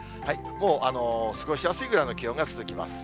もう過ごしやすいぐらいの気温が続きます。